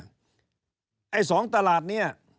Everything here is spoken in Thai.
ไอ้สองตลาดนี้